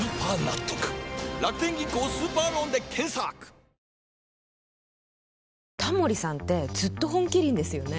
めん話つづけてタモリさんってずっと「本麒麟」ですよね。